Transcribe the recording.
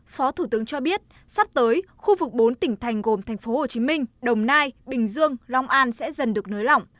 phó thủ tướng cho biết sắp tới khu vực bốn tỉnh thành gồm tp hcm đồng nai bình dương long an sẽ dần được nới lỏng